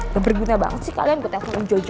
gak berguna banget sih kalian gue teleponin jojo aja